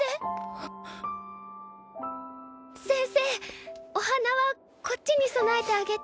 先生お花はこっちに供えてあげて。